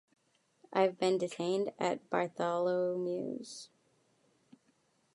I've been detained at Bartholomew’s.